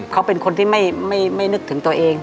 เขาเป็นคนที่ไม่นึกถึงตัวเอง